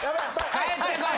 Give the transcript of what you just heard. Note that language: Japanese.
帰ってこい！